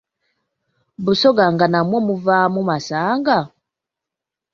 Busoga nga namwo muvaamu masanga.